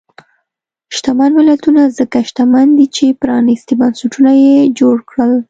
شتمن ملتونه ځکه شتمن دي چې پرانیستي بنسټونه یې جوړ کړل.